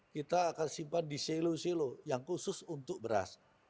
kita akan simpan di selo selo yang khusus untuk beras